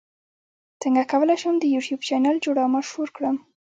څنګه کولی شم د یوټیوب چینل جوړ او مشهور کړم